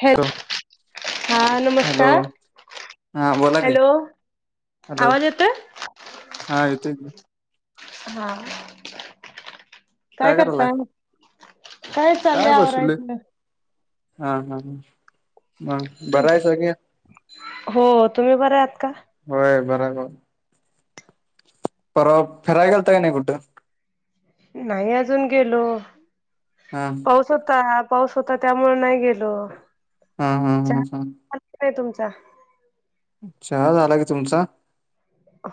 हॅ तर [inaudible] हा नमस्कार हा बोला [inaudible] की हॅलो हॅलो आवाज येतोय हा येतोय की, हा.. काय करताय? काय चाललंय बसलोय आवरायचं. हा हा हमं बराय तुमचं सगळे हो तुम्ही बर आहात का होय बरं आहे बघा परवा फिरायला गेलता काय नाही कुठं? नाही अजून गेलो हा पाऊस होता, पाऊस होता त्यामुळे नाही गेलो. हा हा हम हम् आहे तुमचा? चहा झाला गी तुमचा?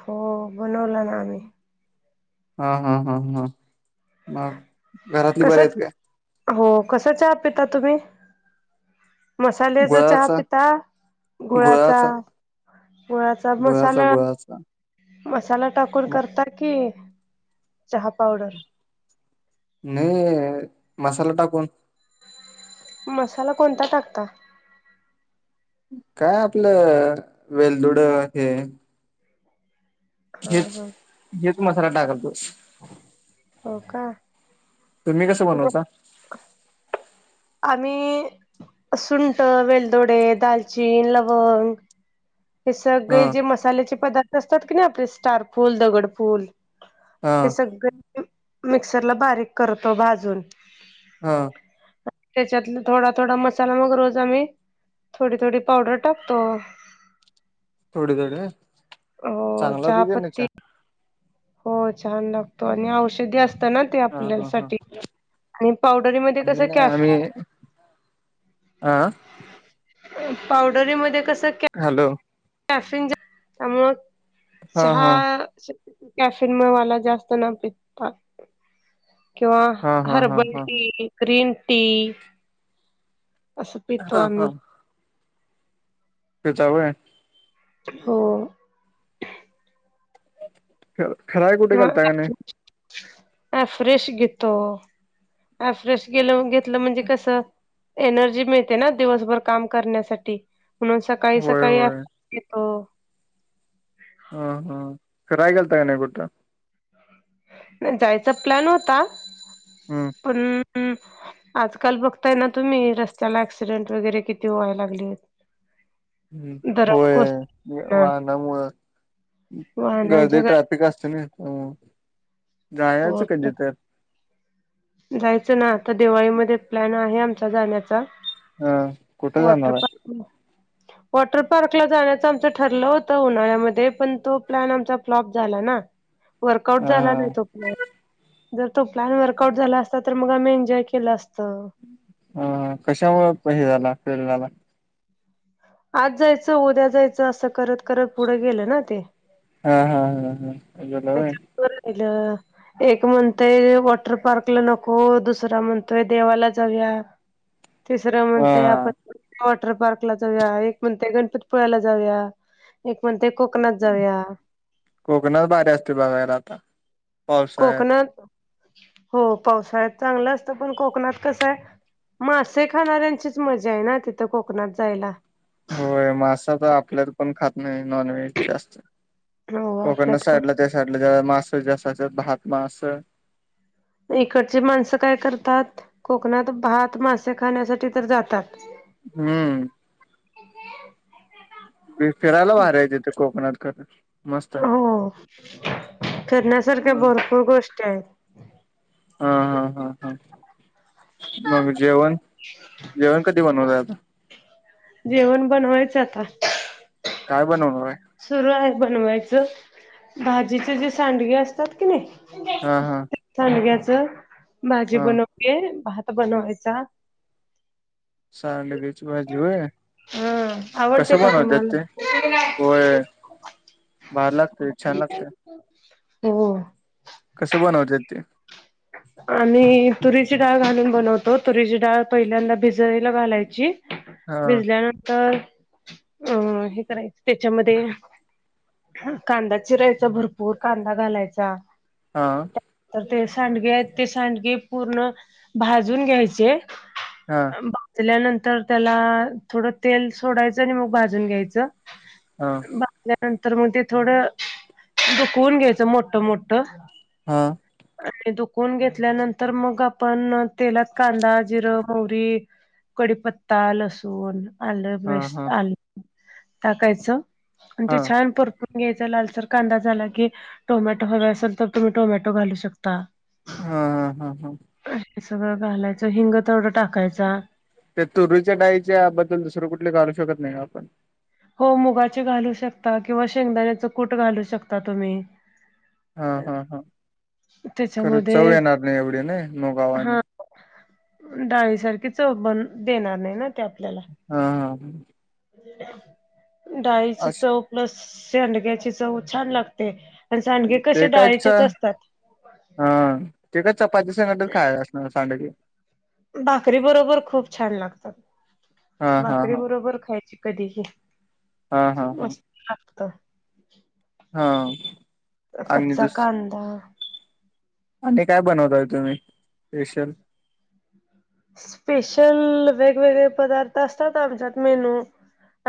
हो बनवला ना. आम्ही हा हा हा हा मग घरातले बर कसं आहेत काय? हो कसा चा पता तुम्ही मसाल्याचा चहा गुळाचा पिता गुळाचा व च गुळाचा मसाला गुळाचा मसाला टाकून म करता की चहा पावडर. नाही मसाला टाकून मसाला कोणता टाकता. काय आपलं वेलदुड हे. हा हेच हा हेच मसाला टाकलतो. हो का तुम्ही कसं बनवता? आम्ही सुंट वेलदोडे दालचीन लवंग. हे हा सगळे जे मसाल्याचे पदार्थ असतात की ना आपले स्टारफूल, दगडफूल हा हे सगळे मिक्सरला बारीक करतो भाजून हा. त्याच्यात थोडा थोडा मसाला मग र हो आम्ही थोडी थोडी पावडर टाकतो. थोडे थोडे हो चांगलं होत क चहापत्ती नाही. हो छान लागतो आणि औषधी असत ना ते हा हा हा आपल्यासाठीठी आणि पावडरीमध्ये कस आम्ही नाही कफ. आम्ही हा पावडरी म कस. हॅलो. कॅफिन त्यामु हा चहा हा कॅफेनमुळे मला जास्त ना भता किंवा हा हा हा हर्बल हा टी ग्रीन टी असस पीवा हा म तेचावय हो. खराय. किंवा अ फ्रेश घेतो. फ्रेश गेलं घेतलं म्हणजे कसं. एनर्जी मिळते ना दिवसभर काम करण्यासाठी म्हणून सकाळी होय सकाळी होय येतो. ह हां खयगल तग नाही बट. नाही जायचा प्लॅन होता. हम्म हम्. आजकाल बघताय ना तुम्ही रस्त्याला ऍक्सिडेंट वगैरे किती व्हाय लागली. हम्म होय कोसळून वाहनामुं वाहनांच्या गर्दी ट्रॅफिक असत ना जायचं गर्दी कधी तर जायचं ना आता दिवाळीमध्ये प्लॅन आहे आमचा जाण्याचा हह कुठे जाणारला [unintelligible] वॉटर पार्कला जाण्याचं आमचं ठरलं होतं उन्हाळ्यामध्ये पण तो प्लॅन आमचा फ्लॉप झाला ना. वर्कउट हा झाला नाही तो प्लन जर तो प्लन व असत तर मग आम्ही एन्ॉय केलं असतं. ह कशामु हे झाला फेल झाला. आज जायचं उद्या जायचं असं करत करत पुढं गेलं ना ते हा हा हा हाजोला व [unintelligible] एक म्हणतोय वॉटर पार्कला नको दुसरा म्हणतोय देवाला जाऊया तिसरं हा म्हणतय आपण वॉटर पार्क जाऊया एक म्हणते गणपतीपुळ्याला जाऊया एक म्हणते कोकणात जाऊया कोकणात बाारी असते बघायला आता पावसाळ्यात कोकणात हो पावसाळ्यात चांगलं असतं पण कोकणात कसं आहे मासे खाणाऱ्यांचीच मजा आहे ना तिथं कोकणात जायला होय मासा तर आपल्याला पण खात नाही नॉनव्हेज जास्त हो कोकणणा आपल्यात साईडला कोण त्या साईडला जेव मास ज भात मास इकडची माणसं काय करतात कोकणात भात मासे खाण्यासाठी तर जातात हम्म ी फिरायला भारायचथ कोकणात करून हो फिरण्यासारख्या हा भरपूर गोष्टी आहेत हा हा हा हा मग जेवण जेवण कधी बनवता आता जेवण बनवायचं आता काय बनवणार आहे. सुरू आहे बनवायचं भाजीचे जे सांडगे असतात की नाही. हा हा सांडगाच घ्यायच भाजी हा बनवतीये भात बनवायचा सार ल गेच बा जवे हा कस आवडते का बनवतात तुम्हाला होत ते वय भार लागते छान लागते हो कसं बनवतात ते आणि तुरीची डाळ घालून बनवतो तुरीची डाळ पहिल्यांदा भिज घालायची हा भिजल्यानंतर अ हे करायचं त्याच्यामध्ये कांदा चिरायचा भरपूर कांदा घालायचा हां तर ते सांडगे आहेत ते सांडगे पूर्ण भाजून घ्यायचे हा भाजल्यानंतर त्याला थोडं तेल सोडायचं आणि मग भाजून घ्यायचं हां भाजल्यानंतर मग ते थोडं चुकून घ्यायचं मोठ मोठ हा आणि दुखून घेतल्यानंतर मग आपण तेलात कांदा जिरं मोहरी कडीपत्ता लसूण आलं हा हा पेस्ट आलं टाकायचं आणि ते हा छान परपूर घ्यायचा लालसर कांदा झाला कि टोमॅटो हवे असेल तर तुम्ही टोमॅटो घालू शकता हा हा हा हा हे सगळं घालायचं हिंग तेवढं टाकायचा त्या तुरूच्या डाईच्या बद्दल दुसरं कुठले कालू शकत नाही आपण हो मुगाचे घालू शकता किंवा शेंगदाण्याचं कूट घालू शकता तुम्ही हा हा हा खरं चव त्याच्यामध्ये येणार नाही एवढी ना मगावा आणि हा डाळीसारखी चव बन देणार नाही ना ते आपल्याला हा हा डाळीची अस चव प्लस शेंडग्याची चव छान लागते आणि सांडगे कसे ते कायचच डाळीचेच असतात. हा ते काय चपाती संकट खायला असणार सांड भाकरी बरोबर खूप छान हा लागतात हा भाकरी हा बरोबर खायची कधीही हा हा हा मस्त लागत हा आणि कच्चा दुस कांदा आणि काय बनवताय तुम्ही स्पेशल स्पेशल वेगवेगळे पदार्थ असतात आमच्यात मेनू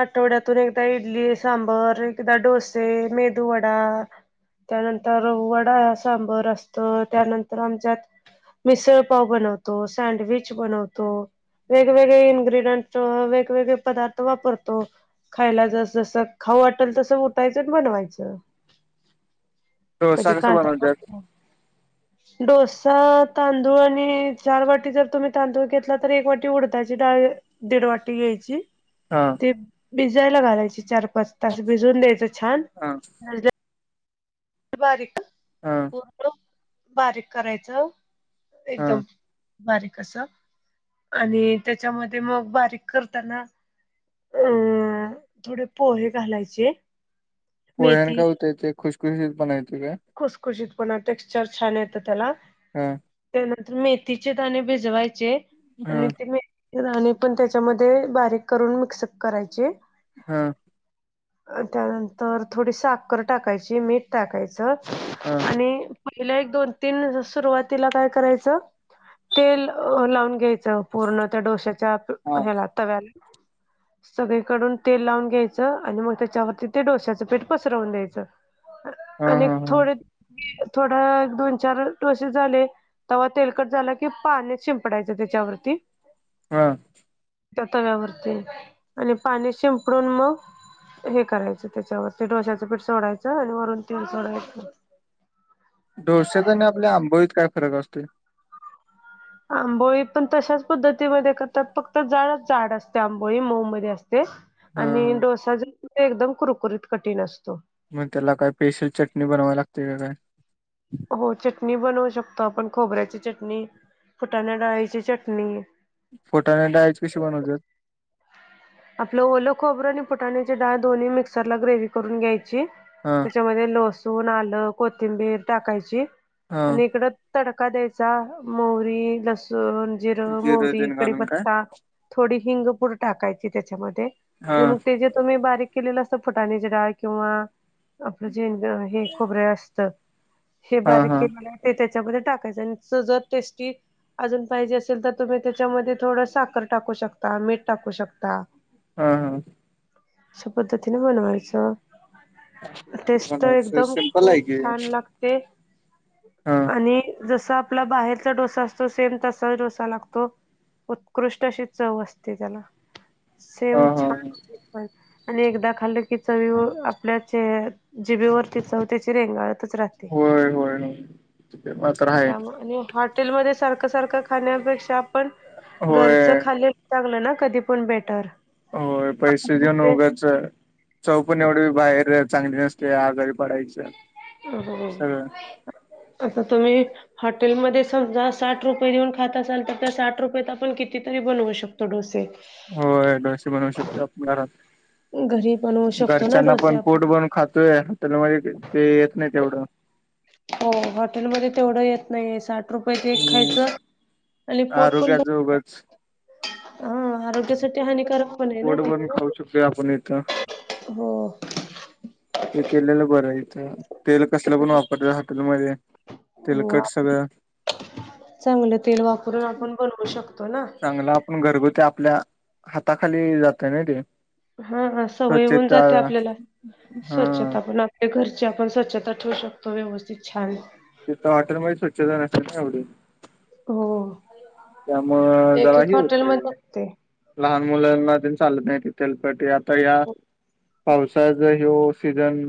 आठवड्यातून एकदा इडली सांबर एकदा डोसे मेदू वडा त्यानंतर वडा सांबर असत त्यानंतर आमच्यात मिसळ पाव बनवतो सँडविच बनवतो वेगवेगळे इ्ग्रेडियंट वेगवेगळे पदार्थ वापरतो खायला जस, जस, खाऊ वाटेल तसं उठायचं आणि बनवायचं. कधी डोसा कसं कांदा बनवतात. भजी डोसा तांदूळ आणि, चार वाटी जर तुम्ही तांदूळ घेतला तर एक वाटी उडदाची डाळ. दीड वाटी घ्यायची. हा. ते, भिजयला घालायचे चार पाच तास भिजून द्यायचं छान, हा नंतर [unintelligible] हां. बारीक करायचं, हा एकदम. बारीक असं आणि त्याच्यामध्ये मग बारीक करताना अ, थोडे पोहे घालायचे. पोह्यानं मेथी काय होतंय, ते खुशखुशीत पणा येतोय काय. खुसखुशीत पणा, टेक्स्चर छान येतं त्याला. हम. त्यानंतर मेथीचे दाणे भिजवायचे, हा आणि ते मि आणि पण त्याच्यामध्ये बारीक करून मिक्सअप करायची हां त्यानंतर थोडी साखर टाकायची मीठ टाकायचं हा आणि पहिल्या एक दोन तीन सुरुवातीला काय करायचं तेल लावून घ्यायचं पूर्ण त्या डोश्याच्या हा ह्याला तव्याला सगळीकडून तेल लावून घ्यायचं आणि मग त्याच्यावरती ते डोश्याचं पिठ पसरवून द्यायचं. आणि हा हा थोडे, थोडं, दोन चार अ डोसे झालेत. तवा तेलकट झाला कि पाणी शिंपडायचं त्याच्यावरती. हा. त्या तव्यावरती, आणि पाणी शिपडून मग हे करायचं त्याच्यावर, ते डोश्याचं पीठ सोडायचं आणि वरून तेल सोडायचं. डोश्यात आणि आपल्या आंबोळीत काय फरक असतो. आंबोळी पण तशाच पद्धतीमध्ये करतात फक्त जरा जाड असते, आंबोळी मऊ मध्ये असते. ते, हा आणि हा डोसा जो, ते एकदम कुरकुरीत कठीण असतो. मग त्याला काय, स्पेशल चटणी बनवावी लागते की काय. हो चटणी बनवू शकतो आपण खोबऱ्याची चटणी, फुटाण्या डाळीची चटणी. फुटाणा डाळीची कशी बनवतात. आपलं ओलं खोबरं आणि फुटाण्याची डाळ दोन्ही मिक्सर ला ग्रेवही करून घ्यायची. हा त्याच्यामध्ये लसूण, आलं, कोथिंबीर टाकायची, हा आणि इकडं तडका द्यायचा, मोहरी, लसूण, जिरं, जिर मोहरी, तेन घालून काय? कडीपत्ता. थोडी हिंगपूड टाकायची त्याच्यामध्ये, हा मग ते जे तुम्ही बारीक केलेलं असतं फुटाण्याचे डाळ किंवा आपलं जेन हे खोबरे असतं. हे हा बारीक हा केलेलंय ते त्याच्यामध्ये टाकायचं आणि जर टेस्टी अजून पाहिजे असेल तर तुम्ही त्याच्यामध्ये थोडं साखर टाकू शकता, मीठ टाकू शकता. हा हा. पद्धतीने बनवायचं. टेस्ट बनायचं एकदम सिम्पल आहे खूप की. छान लागते. हा. आणि जसं आपला बाहेरचा डोसा असतो, सेम तसा डोसा लागतो. उत्कृष्ट अशी चव असते त्याला, हा सेम हा छान. आणि एकदा खाल्लं की चवीवर, आपल्याचे जिबेवरती चऊ त्याची रेंगाळतच राहते. होय, होय, ना. त्यामुळं आणि हॉटेलमध्ये सारखं सारखं खाण्यापेक्षा पण होय घरच खाली लागलं ना कधी पण बेटर हो पैसे देऊन उगाच आहे चौ पण एवढे बाहेर चांगली नसते आ घरी पडायच्या हो आता तुम्ही हॉटेलमध्ये समजा साठ रुपये देऊन खाता असाल तर त्या साठ रुपयात आपण कितीतरी बनवू शकतो तो डोसे [inaudible] होडोस बनवू शकतो घरात घरी बनवू शकतो ना घरच्यांना डोसे पण पोट आपण. बनून खातोय हॉटेल म ते येत नाही तेवढं हो हॉटेलमध्येध्ये तेवढं येत नाहीय साठ रुपयच हम्म. खायचं आणि पोट पण आरोग्याच उगच हा आरोग्यासाठी हानिकारक पण आहे ना पोट ते भरून खाऊ शकतोय आपण इथं हो ते केलेलं बरं आहेथं तेल कसलं पण वापरत हॉटेलमध्येध्ये हो तिलकट सगळं चांगलं तेल वापरून आपण बनवू शकतो ना पण घरगुती आपल्या हाताखाली जातय ना ते हा हा सवय होऊन स्वच्छता जाते आपल्याला. हा स्वच्छता पण आप ह्या घरची आपण स्वच्छता ठेवू शकतो व्यवस्थित छान. तिथ हॉटेलमध्ये स्वच्छता नसते सांगतो. हो त्यामुळं एक एक जराही हॉटेलमध्ये होतेय. असते. लहान मुलांना ते चालत नाही थेल पँट आता या पावसाळ्यात ह्योस. सिजन.